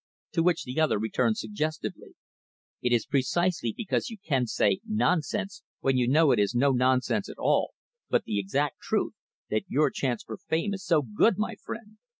To which the other returned suggestively, "It is precisely because you can say, 'nonsense,' when you know it is no nonsense at all, but the exact truth, that your chance for fame is so good, my friend."